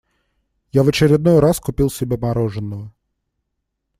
Я в очередной раз купил себе мороженного.